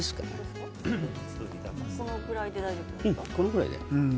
このぐらいで。